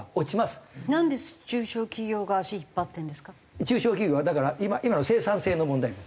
中小企業がだから今の生産性の問題です。